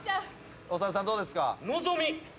長田さんどうですか？